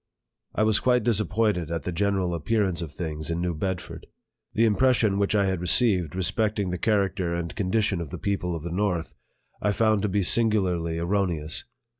I was quite disappointed at the general appearance of things in New Bedford. The impression which I had received respecting the character and condition of the people of the north, I found to be singularly erro neous.